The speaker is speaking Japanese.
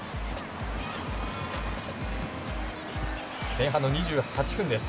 前半の２８分です。